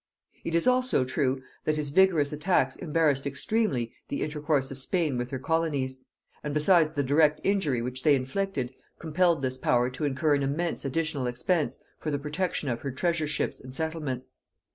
It is also true that his vigorous attacks embarrassed extremely the intercourse of Spain with her colonies; and, besides the direct injury which they inflicted, compelled this power to incur an immense additional expense for the protection of her treasure ships and settlements.